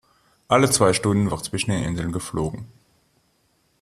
Alle zwei Stunden wird zwischen den Inseln geflogen.